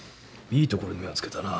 いいところに目を付けたな。